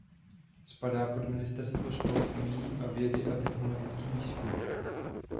Spadá pod Ministerstvo školství a vědy a technologický výzkum.